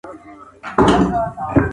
آیا ته پوهېږې چي زکات فرض دی؟